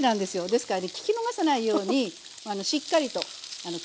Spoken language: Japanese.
ですからね聞き逃さないようにしっかりと聞いて下さい。